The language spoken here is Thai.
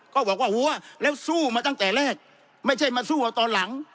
ก็บอกว่าหัวแล้วสู้มาตั้งแต่แรกไม่ใช่มาสู้เอาตอนหลัง